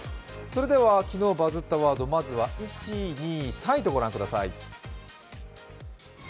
それでは昨日バズったワードまずは１３位ご覧ください。